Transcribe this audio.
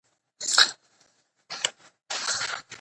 آن چې د زوی له مینې د یعقوب علیه السلام کانه وروشوه!